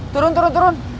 turun turun turun